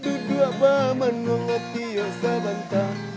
duduk baman nunget tiosabantah